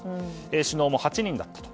首脳も８人だったと。